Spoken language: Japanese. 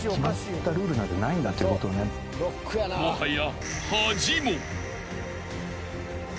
［もはや］